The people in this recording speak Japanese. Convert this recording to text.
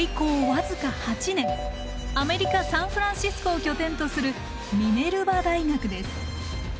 僅か８年アメリカ・サンフランシスコを拠点とするミネルバ大学です。